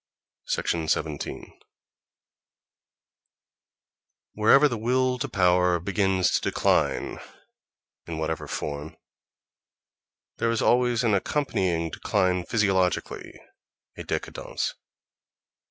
17. Wherever the will to power begins to decline, in whatever form, there is always an accompanying decline physiologically, a décadence.